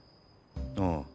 ああ。